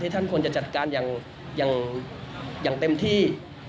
ท่านควรจะจัดการอย่างเต็มที่